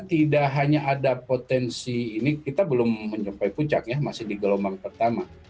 tidak hanya ada potensi ini kita belum mencapai puncak ya masih di gelombang pertama